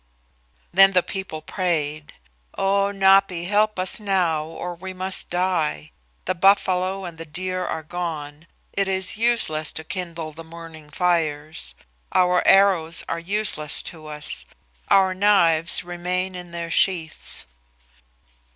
Then the people prayed, "Oh, Napi, help us now or we must die. The buffalo and the deer are gone. It is useless to kindle the morning fires; our arrows are useless to us; our knives remain in their sheaths."